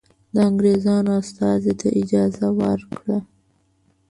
د انګرېزانو استازي ته اجازه ورکړه.